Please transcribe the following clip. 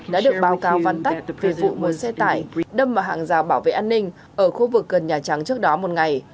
đã được báo cáo văn tách về vụ một xe tải đâm vào hàng rào bảo vệ an ninh ở khu vực gần nhà trắng trước đó một ngày